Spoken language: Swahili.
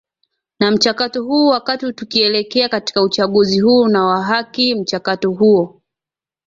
na mchakato huu wakati tukielekea katika uchaguzi huu na wa haki mchakato huo